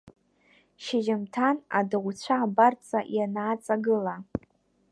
Шьыжьымҭан адауцәа абарҵа ианааҵагыла…